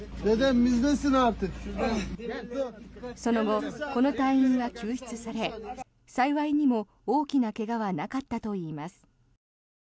その後、この隊員は救出され幸いにも大きな怪我はなかったといいます。